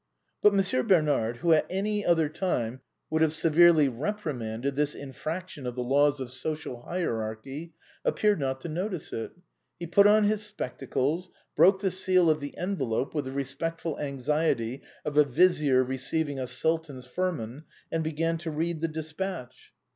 But Monsieur Bernard, who at any other time would have severely reprimanded this infraction of the laws of social hierarchy, appeared not to notice it. He put on his spectacles, broke the seal of the envelope with the respectful anxiety of a vizier receiving a sultan's firman, and began to read the dispatch.